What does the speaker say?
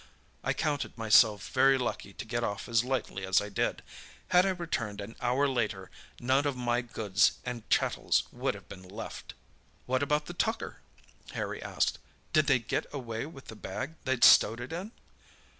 I counted myself very lucky to get off as lightly as I did—had I returned an hour later none of my goods and chattels would have been left." "What about the tucker?" Harry asked; "did they get away with the bag they'd stowed it in?"